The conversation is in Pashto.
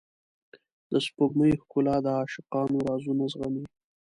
د سپوږمۍ ښکلا د عاشقانو رازونه زغمي.